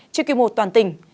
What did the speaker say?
trên quy mô toàn tỉnh